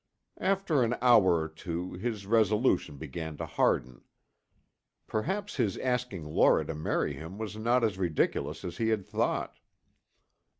After an hour or two his resolution began to harden. Perhaps his asking Laura to marry him was not as ridiculous as he had thought.